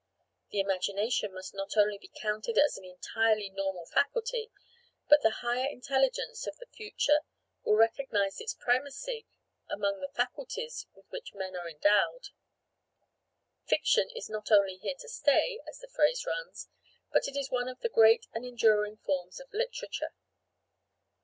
The imagination must not only be counted as an entirely normal faculty, but the higher intelligence of the future will recognise its primacy among the faculties with which men are endowed. Fiction is not only here to stay, as the phrase runs, but it is one of the great and enduring forms of literature.